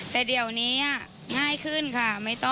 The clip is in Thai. แต่เดี๋ยวนี้ง่ายขึ้นค่ะ